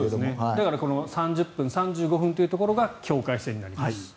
だから３０分、３５分というところが境界線になります。